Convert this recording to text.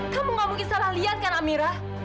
kamu nggak mungkin salah liat kan amira